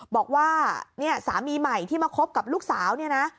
บอกว่าเนี่ยสามีใหม่ที่มาคบกับลูกสาวเนี่ยนะ